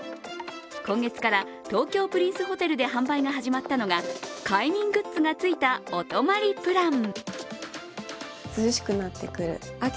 今月から東京プリンスホテルで販売が始まったのが快眠グッズがついたお泊まりプラン。